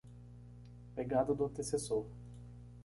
Pegada do antecessor